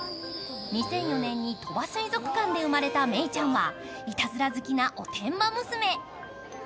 ２００４年に鳥羽水族館で生まれたメイちゃんは、いたずら好きなお転婆娘。